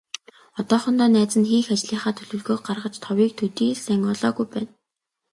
Одоохондоо найз нь хийх ажлынхаа төлөвлөгөөг гаргаж, товыг төдий л сайн олоогүй байна.